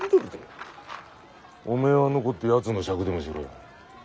おめえは残ってやつの酌でもしろ。